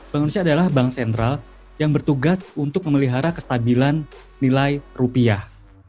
bank indonesia adalah bank sentral yang bertugas untuk memelihara kestabilan nilai rupiah